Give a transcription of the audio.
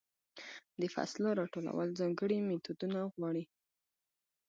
د فصلو راټولول ځانګړې میتودونه غواړي.